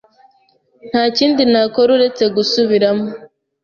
nta kindi nakora uretse gusubiramo